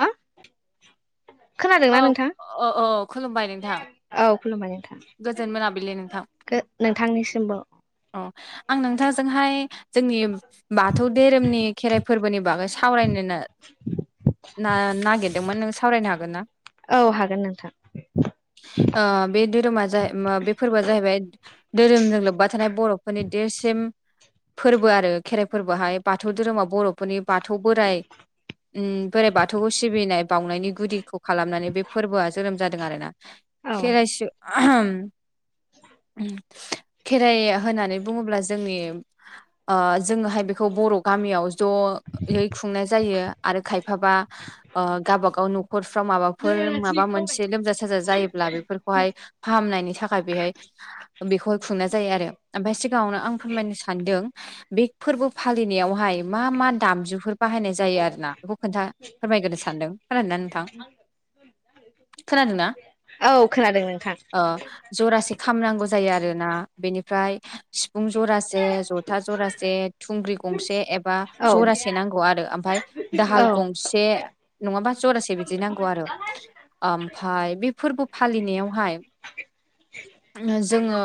हा खोनादोंना औ नोंथां अ अ खुलुमबाय नोंथां औ खुलुमबाय नोंथां गोजोन मोनाबिलि नोंथां नोंथांनिसिमबो औ आं नोंथांजोंहाय जोंनि बाथौ धोरोमनि खेराइ फोरबोनि बागै सावरायनोनो ना नागिरदोंमोन नों सावरायनो हागोन ना? औ हागोन नोंथां ओ बे धोरोमा बे फोरबोआ जाहैबाय धोरोमजों लोब्बा थानाय बर'फोरनि देरसिन फोरबो आरो खेराइ फोरबोहाय बाथौ धोरोमाव बर'फोरनि बाथौ बोराइ बोराइ बाथौखौ सिबिनाय बावनायनि गुदिखौ खालामनानै बे फोरबोआ जोनोम जादों आरो ना औ खेरायसो ओहोम खेराइ होननानै बुङोब्ला जोंनि ओ जोङोहाय बेखौ बर' गामियाव ज' ओ [unintelligible] जयै खुंनाय जायो आरो खायफाबा ओ गाबा गाव न' खरफ्राव माबाफोर माबा मोनसे लोमजा साजा जायोब्ला बेफोरखौहाय नायनि थाखाय बेहाय बेखौहाय खुंनाय जायो आरो ओमफाय सिगांङावनो आं फोरमायनो सानदों बे फोरबो फालिनायावहाय मा मा दामजुफोर बाहायनाय जायो आरो ना बेखौ खोन्था फोरमायग्रोनो सानदों खोनादोंना नोंथां [inaudible] खोनादोंना औ खोनादों नोंथां ओ जरासे खाम नांगौ जायो आरोना बेनिफ्राय सिफुं जरासे जथा जरासे थुंग्रि गंसे औ जरासे नांगौ आरो ओमफ्राय दाहाल औ गंसे नङाबा जरासे बिदि नांगौ आरो आमफाय बे फोरबो फालिनायावहाय जोङो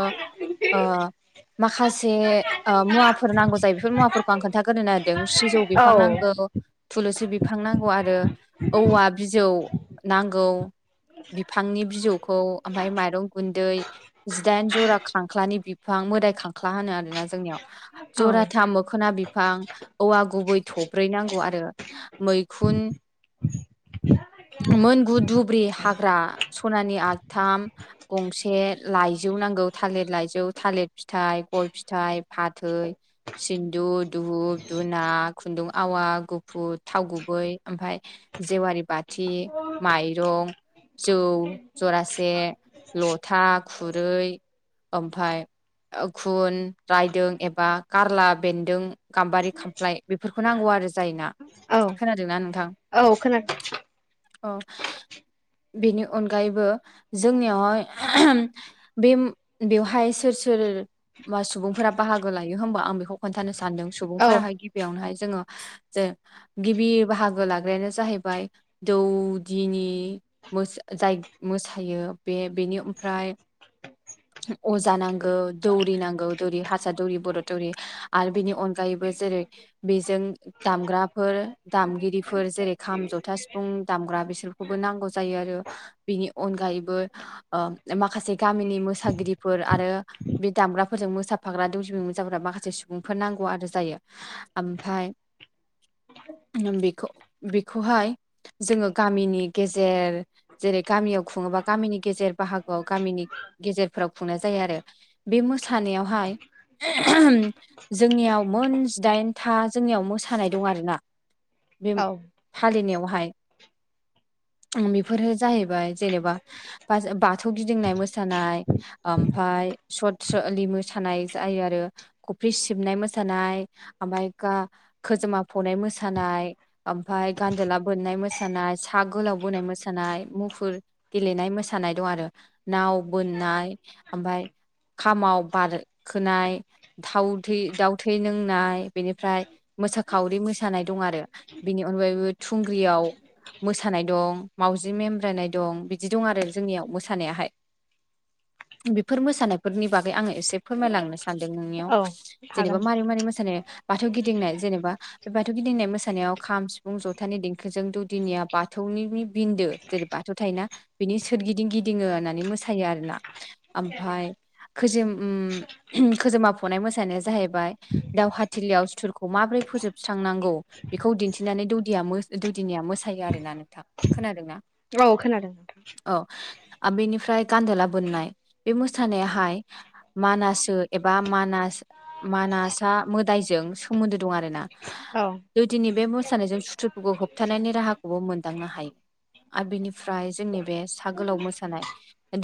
ओ माखासे मुवाफोर नांगौ जायो बेफोर मुवाफोरखौ आं खोन्थाग्रोनो ना नागिरदों सिजौ बिफां नांगौ थुलुसि बि फां नांगौ आरो औवा बिजौ नांगौ बिफांनि बिजौखौ ओमफ्राय माइरं गुन्दै जिदाइन जरा खांख्लानि बिफां मोदाय खांख्ला होनो आरोना जोंनियाव औ जराथाम मोखोना बिफां औवा गुबै थब्रै नांगौ आरो मैखुन [inaudible] मोनगु दुब्रि हाग्रा सनानि आस थाम गंसे लाइजौ नांगौ थालिर लाइजौ थालिर फिथाइ गय फिथाइ फाथै सिन्दुद दुहुप दुना खुन्दुं आवा गुफुर थाव गुबै बै ओमफाय जेवारिबाथि माइरं जौ जरा से लथा खुरै ओमफाय ओ खुन रायदों एबा कारला बेन्दों गाम्बारि खामफ्लाय बेफोरखौ नांगौ आ आरो जायना औ खोनादोंना नोंथां? औ खोनादों। अ बेनि अनगायैबो जोंनियावहाय बे बेवहाय सोर सोर मा सुबुंफोरा बाहागो लायो होनबा आं बेखौ खोन्थानो सानदों औ सुबुंफोराहाय गिबियावनोहाय जोङो जे गिबि बाहागो लाग्रायानो जाहैबाय दौदिनि मोस जाय मोसायो बे बेनि ओमफ्राय अजा नांगौ दौरि नांगौ दौरि हारसा दौरि बर' दौरि आरो बेनि अनगायैबो जेरै बेजों दामग्राफोर दामगिरिफोर जेरै खाम जथा सिफुं दामग्रा बिसोरखौबो नांगौ जायो आरो बेनि अनगायैबो ओ माखासे गामिनि मोसा मोसागिरिफोर आरो बे दामग्राफोरजों मोसाफाग्रा दौ जुमि मोसाग्रा माखासे सुबुंफोर नांगौ आरो जायो। ओमफाय बेख' बेखौहाय जोङो गामिनि गेजेर जेरै गामियाव खुं ङोबा गामिनि गेजेर बाहागोआव गामिनि गेजेरफोराव खुंनाय जायो आरो बे मोसानायावहाय जोंनियाव मोन जिदाइनथा जोंनियाव मोसानाय दं आरोना। बे औ। फालिनायावहाय। बेफोरो जाहैबाय जेनेबा बाज बाथौ गिदिंनाय मो सानाय ओमफ्राय सर्ट सलि मोसानाय जायो आरो कफ्रि सिबनाय मो सानाय ओमफाय गा खोजोमा फनाय मोसानाय ओमफ्राय गान्द'ला बोननाय मोसानाय सा गोलाव बोनाय मोसानाय मुफुर गेलेनाय मोसानाय दं आरो नाव बोननाय ओमफाय खामाव बारखोनाय थाउ थै दाउ थै लोंनाय बेनिफ्राय मोसाखावरि मोसानाय दं आरो बेनि अनगायैबो थुंग्रियाव मोसानाय दं मावउजि मेमब्रायनाय दं बिदि दं आरो जोंनियाव मोसानायाहाय। बेफोर मोसानायफोरनि बागै आंङो एसे फोरमायलांनो सानदों औ नोंनियाव जेनेबा हागोन मारै मारै मोसानाय बाथौ गिदिंनाय जेनेबा बे बाथौ गिदिंनाय मोसानायाव खाम सिफुं जथानि देंखोजों दौदिनिया बाथौ ऊंनिनि बिन्दो जेरै बाथौ थायोना बिनि सोरगिदिं गिदिङो आननानै मोसायो आरोना। आमफाय खोजोम उम खोजोमा फनाय मोसानाया जाहैबाय दावहा थिलियाव सुथुरखौ माबोरै फोजोबस्रांनांगौ बेखौ दिन्थिनानै दौदिया मो दौदिनिया मोसायो आरोना। नोंथां खोनादोंना? औ खोनादों नोंथां। औ आ बेनिफ्राय गान्दोला बोननाय बे मोसानायाहाय मानासो एबा मानास मान नासा मोदायजों सोमोन्दो दं आरो ना औ दौदिनि बे मोसानायजों सुथुरफुखौ होबथानायनि राहाखौबो मोनदांनो हायो। आबिनिफ्राय जोंनि बे सागोलाव मोसानाय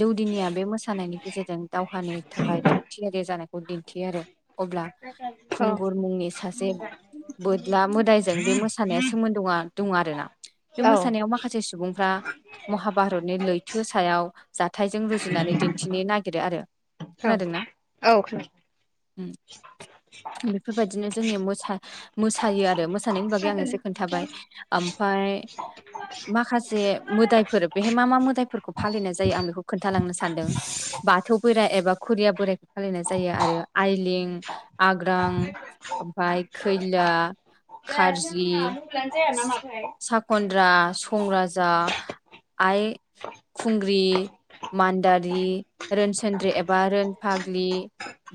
दौदिनिया बे मोसानायनि गेजेरजों दावहानि थाखाय थाग थियारि जानायखौ दिन्थियो आरो अ ब्ला औ खुंगुर मुंनि सासे बोदला मोदायजों बे मोसानाया सोमोन्दोआ दं आरोना। बे औ मोसानायाव माखासे सुबुंफ्रा महाभारतनि लैथो सायाव जाथायजों रुजुनानै दिन्थिनो नागिरो आरो, औ खोनादों ना? औ उम बेफोरबायदिनो जोंनि मोसा-मोसायो आरो मोसानायनि बागै आं एसे खोनादों खोन्थाबाय ओम फ्राय माखासे मोदायफोर बेहाय मा मा मोदायफोरखौ फालिनाय जायो आं बेखौ खोन्थालांनो सानदों बाथौ बोराइ एबा खुरिया बोरायखौ फालिनाय जायो आरो आइलि, आग्रां, ओमफ्राय खैला, जायासै आंना खारजि म‌बाइलानो साखन्द्रा, संराजा, आइ खुं ग्रि, मान्दारि, रोनसोनद्रि एबा रोनफाग्लि,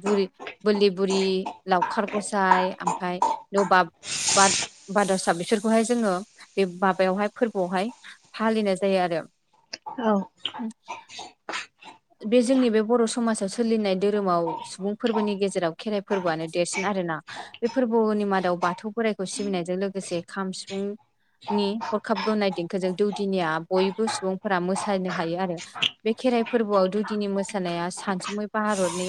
बुरि बोरलि बुरि, लावखार गसाय ओमफ्राय लबाब बाद बाद'सा बिसोरखौहाय जोङो बे माबायावहाय फोरबोआवहाय फालिनाय जायो आरो। औ ओम बे जोंनि बे बर' समाजाव सोलिनाय धोरोमाव सुबुं फोरबोनि गेजेराव खेराइ फोरबोआनो देरसिन आरोना। बे फोरबोनि मादाव बाथौ बोराइखौ सिबिनायजों लोगोसे खाम सिफुं नि हरखाब गोमनाय देंखोजों दौदिनिया बयबो सुबुंफोरा मोसा नो हायो आरो। बे खेराइ फोरबोआव दौदिनि मोसानाया सानसुमै भारतनि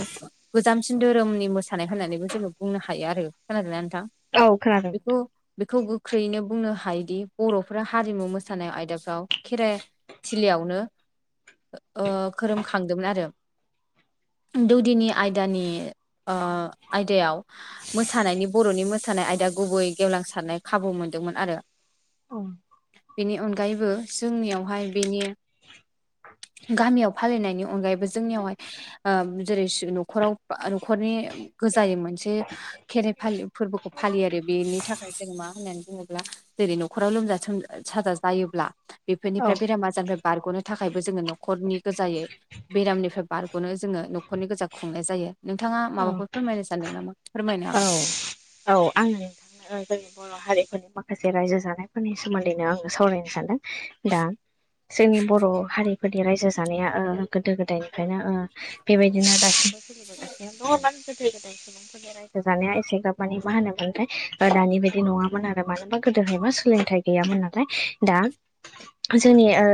गोजाम बांसिन धोरोमनि मोसानाय होननानैबो जोङो बुंनो हायो आरो, खोनादोंना नोंथां? औ खोनादों। बेखौ बेखौ गोख्रैयैनो बुंनो हायोदि बर'फोरा हारिमु मोसानाय आयदाफ्राव खेराइ थिलियावनो ओ खोरोमखांदोंमोन आरो। दौदिनि आयदानि ओ आयदायाव मोसानायनि बर'नि मोसानाय आयदा गुबै गेवलांसारनाय खाबु मोन्दोंमोन आरो नोंथां औ बेनि अनगायैबो जोंनियावहाय बेनि गामियाव फालिनायनि अनगायैबो जोंनियावहाय ओ जेरै सि न'खराव बा न'खरनि गोजायै मोनसे खेराइ फालि फोरबोखौ फालियो आरो बेनि थाखाय जों मा होननानै बुङोब्ला जेरै न'खराव लोमजा सोम-साजा जायोब्ला बेफोरनिफ्राय बेराम आजार निफ्राय बारग'नो थाखायबो जोङो न'खरनि गोजायै बेरामनिफ्राय बारग'नो जोङो न'खरनि गोजा खुंनाय जा यो। नोंथाङा औ माबाफोर फोरमायनो सानदों नामा? फोरमायनो औ हागौ औ औ आङो नोंथांनो ओ जोंनि बर' हारिफोरनि माखासे रायजो जानायफोरनि सोमोन्दैनो आङो सावरायनो सानदों। दा जोंनि बर' हारि फोरनि रायजो जानाया ओ गोदो गोदायनिफ्रायनो ओ बेबायदिनो दासिम [unintelligible] गोदो गोदाय सुबुंफोरनि रायजो जानाया एसेग्राब मानि मा होनोमोनथाय ओ दानि बायदि नङामोन आरो। मानो होनबा गोदोहाय मा सोलोंथाइ गैयामोन नालाय दा जोंनि ओ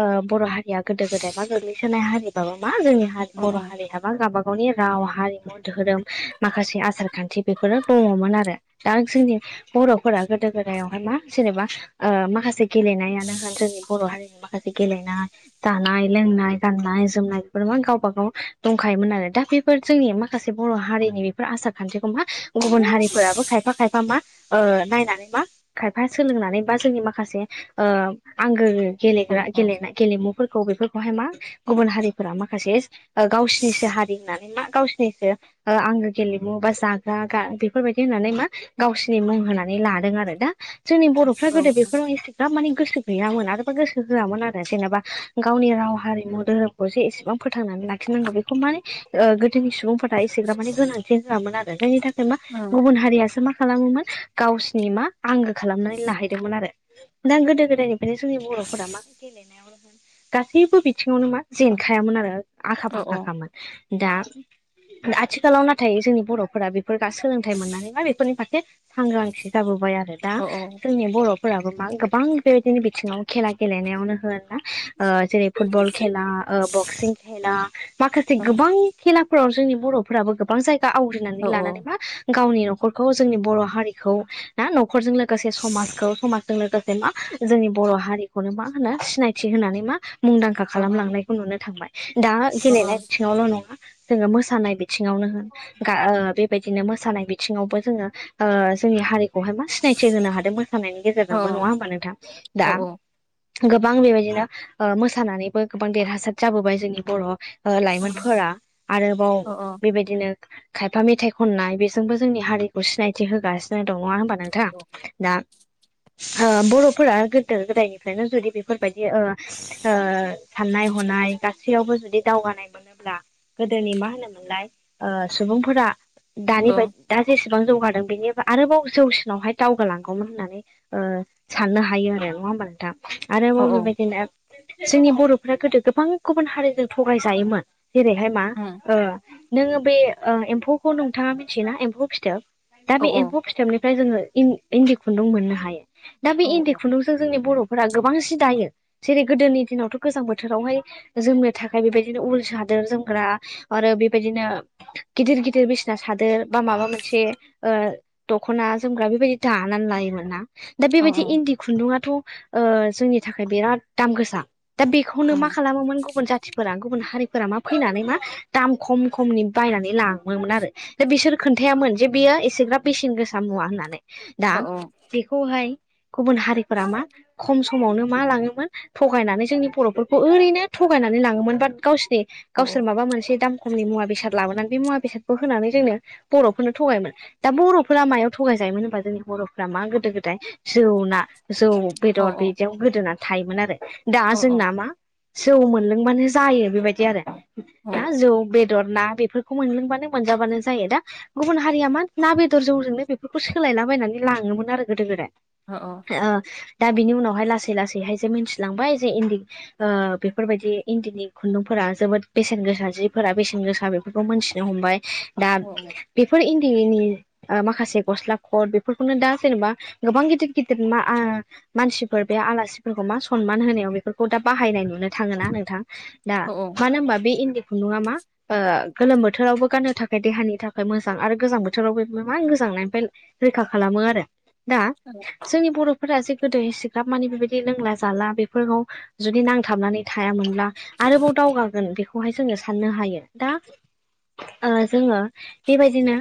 ओ बर' हारिया गोदो गोदाय मा गोग्लैसोनाय हारिबाबो मा जोंनि हारि अ बर' हारिया मा गावबा गावनि राव, हारिमु, धोरोम, माखासे आसार-खान्थि बेफोरो दङ'मोन आरो। दा जोंनि बर' फोरा गोदो गोदायावहाय मा जेनेबा ओ माखासे गेलेनायानो होन जोंनि बर' हारिनि माखासे गेलेनाय बा जानाय-लोंनाय, गाननाय-जोमनाय बेफोर मा गावबा गाव दंखायोमोन आरो, दा बेफोर जोंनि माखासे बर' हारिनि बेफोर आसार-खान्थिखौ मा गुबुन हारिफोराबो खायफा खायफा मा ओ नायनानै मा खायफा सोलोंनानै बा जोंनि माखासे ओ आंगो अ गेलेग्रा गेलेनाय गेलेमु फोरखौ बेफोरखौहाय मा गुबुन हारिफोरा माखासे ओ गावसिनिसो हारि होननानै मा गावसिनिसो ओ आंगो गेलेमु बा जाग्रा बेफोरबायदि होननानै मा गावसिनि मुं होना नै लादों आरो दा जोंनि बर'फोरा अ गोदो बेखौ एसेबां माने गोसो गैयामोन आरोबा गोसो होआमोन आरो जेनेबा गावनि राव हारिमु धोरोमखौ जो एसेबां फोथांना लाखिनांगौ बेखौ माने ओ गो दोनि सुबुंफोरा एसेग्राफमानि गोनांथि होआमोन आरो, जायनि थाखाय मा गुबुन हारियासो मा खालामोमोन गावसोरनि मा आंगो खालामनानै लाहैदोंमोन आरो दा गोदो गोदायनिफ्रायनो जोंनि बर'फोरा मा गेलेनायाव होन गासैबो बिथिङावनो मा जेनखायामोन आरो आखा अ फाखाखामोन दा आथिखालाव नाथाय जोंनि बर'फोरा बेफोर सोलोंथाइ मोननानै बा बेफोरनि फारसे सांग्रांथि जाबोबाय आरो दा अ जोंनि बर'फोराबो मा गोबां बेबायदिनो बिथिङाव खेला गेलेनायावनो होन ना ओ जेरै फुटबल खेला ओ बक्सिं खेला माखासे गोबां खेला फोराव जोंनि बर'फोराबो गोबां जायगा आवग्रिनानै लानानैबा गावनि न'खरखौ जोंनि बर' हारिखौ ना न'खरजों लोगोसे समाजखौ समाजजों लोगोसे मा जोंनि बर' हारिखौनो मा मा होनो सिनायथि होनानै मा मुंदांखा खालामलांनायखौ नुनो थांबाय दा गेलेनाय बिथिङावल' नङा जोङो मोसानाय बिथिङावनो होन गा ओ बेबायदिनो मोसानाय बिथिङावबो जोङो ओ जोंनि हारिखौहाय मा सिनायथि होनो हादोंबो मोसानायनायनि अ गेजेरजोंबो नङा होमबा नोंथां अ दा गोबां बेबायदिनो ओ मोसानानैबो गोबां देरहासार जाबोबाय जोंनि बर' अ लाइमोनफोरा आरोबाव अ बेबायदिनो खायफा मेथाइ खननाय बेजोंबो जोंनि हारिखौ सिनायथि होगासिनो दं नङा होनबा नोंथां दा [unintelligible] बर'फोरा गोदो गोदायनिफ्रायनो जुदि बेफोरबायदि ओ ओ साननाय हनाय गासेयावबो जुदि दावगानाय मोनोब्ला गोदोनि मा होनोमोनलाय ओ सुबुंफोरा दानि अ बायदि दा जेसेबां जौगादों बेनि आरोबाव जौसिनावहाय दावगालांगौमोन होननानै साननो हायो आरो नङा होमबा नोंथां? औ आरो बेबायदिनो जोंनि बर'फ गोदो गोबां गुबुन हारिजों थगायजायोमोन। जेरैहाय मा उम ओ नोङो बे ओ एम्फौखौ नोंथाङा मिथियोना एम्फौ फिथोब दा औ बे एम्फौ फिथोबनिफ्राय जोङो इन्द- इन्दि खुन्दुं मोननो हायो। दा बे औ इन्दि औ खुन्दुंजों जोंनि बर' फोर गोबांसिन दायो जेरै गोदोनि दिनावथ' गोजां बोथोरावहाय जोमनो थाखाय बेबायदिनो उल साद सादोर जोमग्रा आरो बेबायदिनो गिदिर गिदिर बिसिना सादोर बा माबा मोनसे ओ दख'ना जोमग्रा बेबायदि दानानै लायोमोन ना दा औ बेबायदि इन्दि खुन्दुंआथ' ओ जोंनि थाखाय बिराद दाम गोसा दा बेखौनो उम मा खालामोमोन गुबुन जाथिफोरा गुबुन हारिफोरा मा फैनानै मा दाम खम खमनि बायनानै लाङोमोन आरो दा बिसोर खोन्थायामोन। मोन जे बियो एसेग्रा बेसेन गोसा मुवा होननानै दा औ बेखौहाय गुबुन हारिफोरा मा खम समावनो मा लाङोमोन थगायनानै जोंनि बर'फोरखौ ओरैनो थ थगायनानै लाङोमोन बाट गावसिनि औ गावसोर माबा मोनसे दाम खमनि मुवा बेसाद लाबोनानै बे मुवा बेसादखौ होनानै जोंनो बर'फोरनो थगायोन। दा बर'फोरा मायाव थगायजायोमोन होनबा जोंनि बर'फोरा मा गोदो गोदाय जौना जौ औ बेदर बिदियाव गोदोना थायोमोन आरो दा औ जोंना मा जौ मोनलोंबानो जायो बेबायदि आरो ना जौ बे बेदर ना बेफोरखौ मोनलोंबानो मोनजाबानो जायो दा गुबुन हारिया मा ना बेदर जौजोंनो बेफोरखौ सोलायलाबायनानै लाङोमोन आरो गोदो गोदाय ओ दा बिनि उनावहाय लासै लासैहाय जे मिथिलांबाय जे इन्दि ओ बेफोरबायदि इन्दिनि खुन्दुंफोरा जोबोद बेसेन गोसा जिफोरा बेसेन गोसा बेफोरखौ मोनथिनो हमबाय। दा बेफोर इन्दिनि ओ माखासे गस्ला खट बेफोरखौनो दा जेनेबा गोबां गिदिर गिदिर मा ओ मानसि फोर बे आलासिफोरखौ मा सनमान होनायाव बेफोरखौ दा बाहायनाय नुनो थाङोना नोंथां? दा औ मानो होनबा बि इन्दि खु खुन्दुं आ मा गोलोम बोथोरावबो गाननो थाखाय देहानि थाखाय मोजां आरो गोजां बोथ थोराव बे मा गोजांनायनिफ्राय रैखा खालामो आरो दा जोंनि बर' फोरा जे गोदो इसिग्राब माने बेबायदि लोंला जाला बेफोरखौ जुदि नांथाबनानै थायामोन। ना आरोबाव दावगागोन बेख खौहाय जोङो साननो हायो दा ओ जोङो बेबायदिनो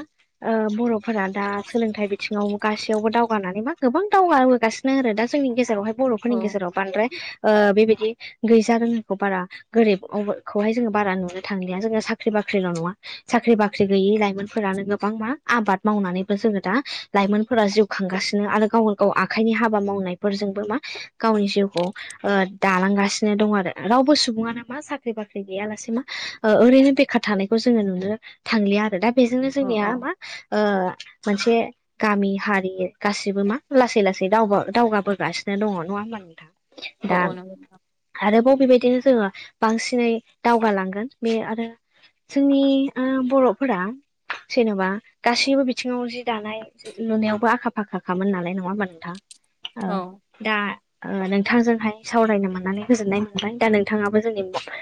ओ बर'फोरा दा सोलोंथाइ बिथिङाव गासैयावबो दावगानानै मा गोबां दावगाबोगासिनो आरो दा जोंनि गेजेरावहाय औ बर'फोरनि गेजेराव बांद्राय ओ बेबायदि गैज रोङिखौ बारा गोरिब अखौहाय जोङो बारा नुनो थांलिया जोङो साख्रि बाख साख्रिल' नङा साख्रि बाख्रि गैयै लाइमोनफोरानो गोब गोबां मा आबाद मावनानैबो जोङो दा लाइमोनफोरा जिउ खांगासिनो आरो गाव गाव आखाइनि हाबा मावनो फोजोंबो मा गावनि जिउखौ ओ दालांगासिनो दं आरो रावबो सुबुानो मा सा साख्रि बाख्रि गैयालासे मा ओ ओरैनो बेखार थानायखौ जोङो नुनो थांलिया आरो दा बेजों जोंनिया मा ओ मोनसे गामि हारि गासिबो मा लासै लासै दावबो दावगाबोगासिनो दङ नङा ओमबा नोंथां? औ दा औ नंगौ आरोबाव बेबायदिनो जोङो बांसिनै दावगालांगोन बे आरो जोंनि ओ बर'फोरा जेन'बा गासैबो बिथिङाव जि दानाय लुनायावबो आखा फाखाखामोन नालाय नङा ओमबा नोंथां? औ दा नोंथांजोंहाय सावरायनो मोननानै गोजोननाय मोनबाय दा नोंथाङाबो जोंनि